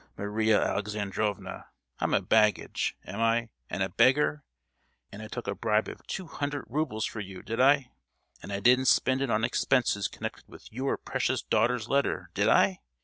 Maria Alexandrovna—I'm a baggage, am I—and a beggar;—and I took a bribe of two hundred roubles from you, did I? And I didn't spend it on expenses connected with your precious daughter's letter, did I?